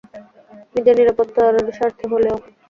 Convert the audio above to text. নিজের নিররাপত্তার স্বার্থে হলেও!